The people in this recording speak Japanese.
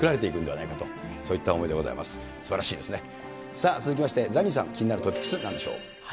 さあ、続きましてザニーさん、気になるトピックス、なんでしょう。